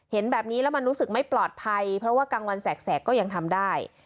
เห็นแบบนี้แล้วมันรู้สึกไม่ปลอดภัยเพราะว่ากลางวันแสกก็ยังทำได้